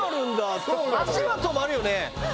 って足は止まるよね。